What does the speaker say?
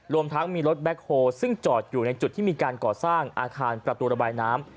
รวมทั้งมีรถแบ็คโฮลซึ่งจอดอยู่ในจุดที่มีการก่อสร้างอาคารประตูระบายน้ำ